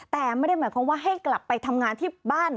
แต่ไม่ได้หมายความว่าให้กลับไปทำงานที่บ้าน